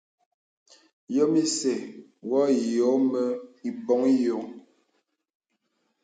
Yɔ̄m isɛ̂ wɔ ìyɔ̄ɔ̄ mə i bɔŋ yɔ̄.